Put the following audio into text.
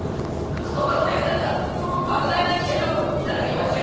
そそんなこと言うんだったらもう莫大な慰謝料頂きますよ。